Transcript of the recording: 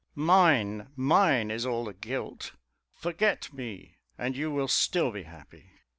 Mine, mine, is all the guilt; forget me, and you will still be happy."